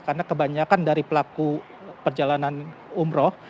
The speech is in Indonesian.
karena kebanyakan dari pelaku perjalanan umroh